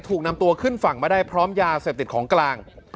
ถูกนำตัวขึ้นฝั่งมาได้พร้อมยาเสพติดของกลาง